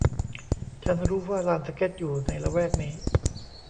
ฉันรู้ว่าลานสเก็ตอยู่ในละแวกนี้